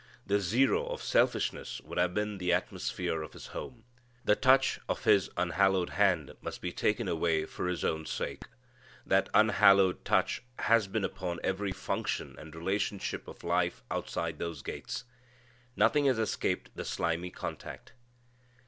The zero of selfishness would have been the atmosphere of his home. The touch of his unhallowed hand must be taken away for his own sake. That unhallowed touch has been upon every function and relationship of life outside those gates. Nothing has escaped the slimy contact.